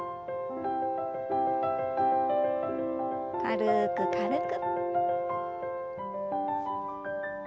軽く軽く。